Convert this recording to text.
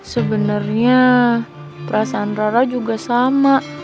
sebenernya perasaan rora juga sama